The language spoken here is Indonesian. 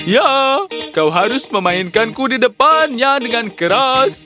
ya kau harus memainkanku di depannya dengan keras